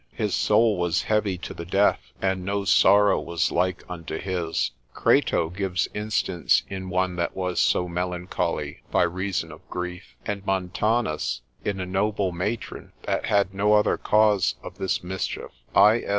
His soul was heavy to the death, and no sorrow was like unto his. Crato, consil. 24. l. 2, gives instance in one that was so melancholy by reason of grief; and Montanus, consil. 30, in a noble matron, that had no other cause of this mischief. I.